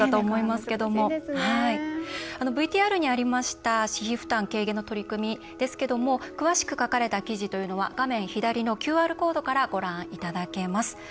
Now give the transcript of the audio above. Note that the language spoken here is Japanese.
ＶＴＲにありました私費負担軽減の取り組み詳しく書かれた記事というのは画面左上のＱＲコードからご覧いただけます。